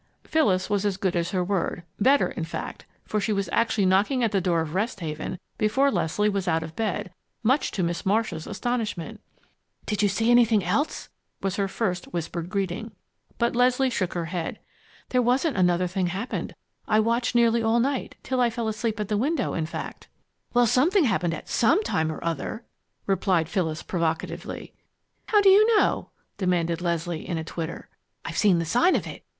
Phyllis was as good as her word better, in fact, for she was actually knocking at the door of Rest Haven before Leslie was out of bed, much to Miss Marcia's astonishment. "Did you see anything else?" was her first whispered greeting. But Leslie shook her head. "There wasn't another thing happened. I watched nearly all night till I fell asleep at the window, in fact!" "Well, something happened at some time or other!" replied Phyllis, provocatively. "How do you know?" demanded Leslie, in a twitter. "I've seen the sign of it.